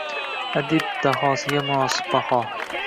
Adib dahosiga munosib baho